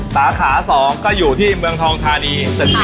สาขา๒อยู่ที่เมืองทองธานี๑๓๓